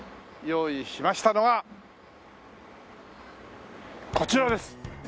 用意しましたのはこちらです！